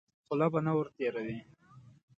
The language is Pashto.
خوله به نه ور تېروې.